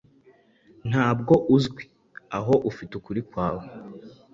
Ntabwo uzwi, aho ufite ukuri kwawe,